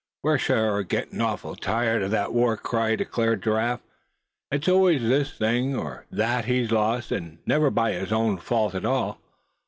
"We're sure gettin' awful tired of that war cry," declared Giraffe. "It's always this thing or that he's lost, and never by his own fault at all.